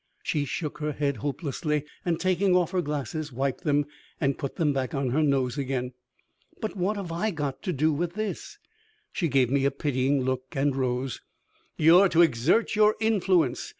She shook her head hopelessly, and taking off her glasses wiped them, and put them back on her nose again. "But what have I got to do with this?" She gave me a pitying look and rose. "You're to exert your influence.